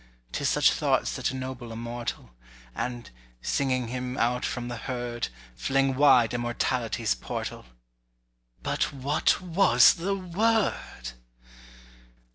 'Tis such thoughts that ennoble a mortal; And, singing him out from the herd, Fling wide immortality's portal— But what was the word?